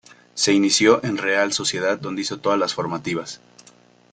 Se inició en Real Sociedad donde hizo todas las formativas.